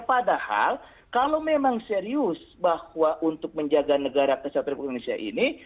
padahal kalau memang serius bahwa untuk menjaga negara kesatuan republik indonesia ini